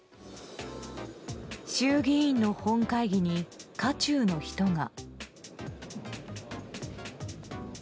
衆議院の本会議に渦中の人が。